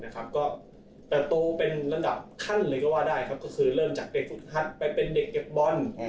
ก็เติบโตเป็นระดับขั้นเลยก็ว่าได้ก็คือเริ่มจากเด็กฝึกฮัทไปเป็นเด็กเก็บบอล